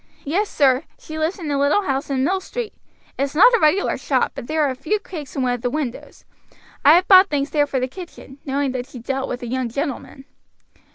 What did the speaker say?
"Yes, sir; she lives in a little house in Mill Street; it's not a regular shop, but there are a few cakes in one of the windows; I have bought things there for the kitchen, knowing that she dealt with the young gentlemen."